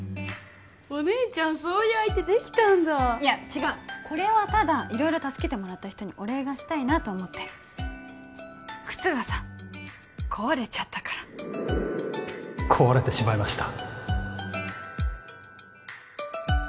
お姉ちゃんそういう相手できたんだいや違うこれはただ色々助けてもらった人にお礼がしたいなと思って靴がさ壊れちゃったから壊れてしまいました